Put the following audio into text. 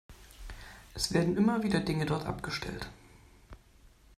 Es werden immer wieder Dinge dort abgestellt.